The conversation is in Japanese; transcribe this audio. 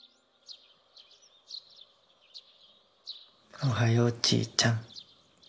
おはようちーちゃん。